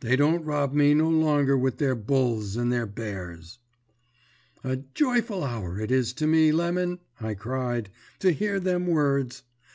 They don't rob me no longer with their Bulls and their Bears.' "'A joyful hour it is to me. Lemon,' I cried, 'to hear them words.